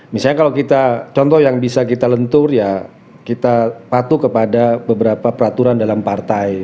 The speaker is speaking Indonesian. misalnya kalau kita contoh yang bisa kita lentur ya kita patuh kepada beberapa peraturan dalam partai